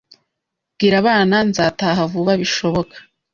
Bwira abana nzataha vuba bishoboka